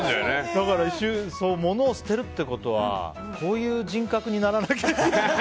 だから、物を捨てるってことはこういう人格にならなきゃって。